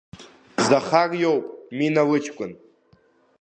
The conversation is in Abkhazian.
Захар иоуп, Мина лыҷкәын.